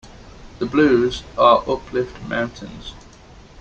The Blues are uplift mountains.